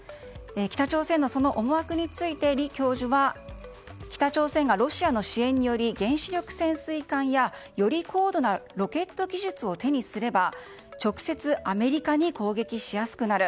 北朝鮮の思惑について李教授は北朝鮮がロシアの支援により原子力潜水艦やより高度なロケット技術を手にすれば、直接アメリカに攻撃しやすくなる。